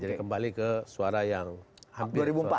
jadi kembali ke suara yang hampir